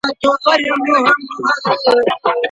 د دوکتورا برنامه په پټه نه بدلیږي.